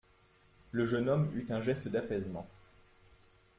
Le jeune homme eut un geste d’apaisement.